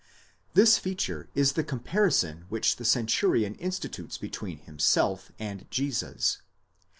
This feature is the comparison which the centurion institutes between himself and Jesus.